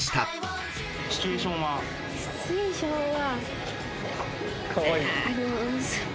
「シチュエーションは」